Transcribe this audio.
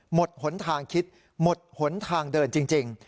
หนทางคิดหมดหนทางเดินจริง